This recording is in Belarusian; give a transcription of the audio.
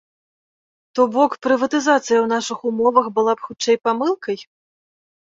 То бок, прыватызацыя ў нашых умовах была б хутчэй памылкай?